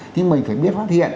thì mình phải biết phát hiện